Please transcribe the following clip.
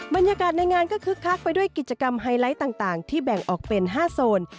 บรรยากาศในงานก็คึกคักไปด้วยกิจกรรมไฮไลท์ต่างที่แบ่งออกเป็น๕โซน